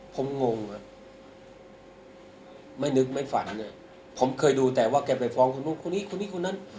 ผมงงอ่ะไม่นึกไม่ฝันเลยผมเคยดูแต่ว่าแกไปฟ้องคนนู้นคนนี้คนนี้คนนั้น